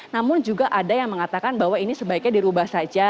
namun juga ada yang mengatakan bahwa ini sebaiknya dirubah saja